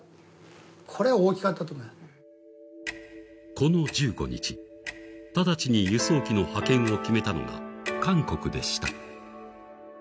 この１５日、直ちに輸送機の派遣を決めたのが韓国でした。